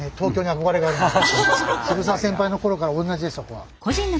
渋沢先輩の頃からおんなじですそこは。